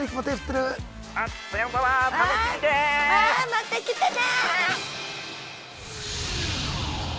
また来てね。